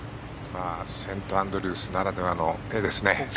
セントアンドリュースならではの画ですね。